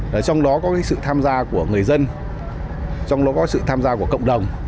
trong đó có cái sự tham gia của người dân trong đó có sự tham gia của cộng đồng